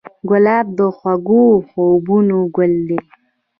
ګلاب د خوږو خوبونو ګل دی.